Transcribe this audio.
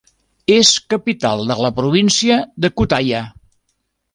És capital de la província de Kütahya.